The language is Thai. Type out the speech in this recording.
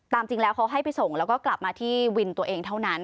จริงแล้วเขาให้ไปส่งแล้วก็กลับมาที่วินตัวเองเท่านั้น